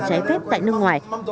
trái phép tại nước ngoài